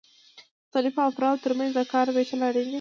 د مختلفو افرادو ترمنځ د کار ویشل اړین دي.